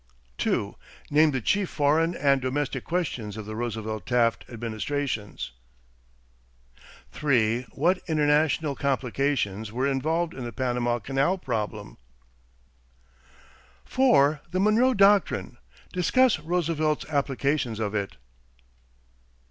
2. Name the chief foreign and domestic questions of the Roosevelt Taft administrations. 3. What international complications were involved in the Panama Canal problem? 4. Review the Monroe Doctrine. Discuss Roosevelt's applications of it.